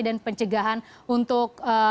dan pencegahan untuk